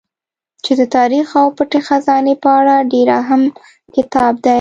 چې د تاريڅ او پټې خزانې په اړه ډېر اهم کتاب دی